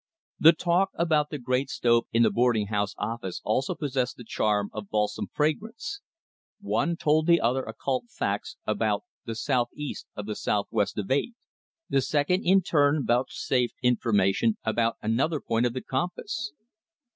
The talk about the great stove in the boarding house office also possessed the charm of balsam fragrance. One told the other occult facts about the "Southeast of the southwest of eight." The second in turn vouchsafed information about another point of the compass.